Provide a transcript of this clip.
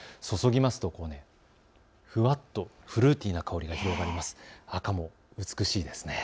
注ぎますとふわっとフルーティーな香りが広がります。